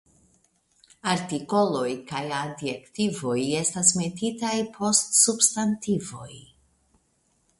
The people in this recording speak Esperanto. Artikoloj kaj adjektivoj estas metitaj post substantivoj.